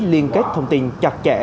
liên kết thông tin chặt chẽ